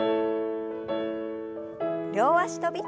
両脚跳び。